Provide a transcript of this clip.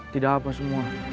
tidak apa semua